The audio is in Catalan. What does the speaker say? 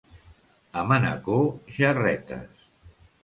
A Manacor, gerretes.